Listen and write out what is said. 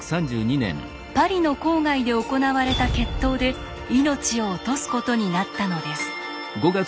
パリの郊外で行われた決闘で命を落とすことになったのです。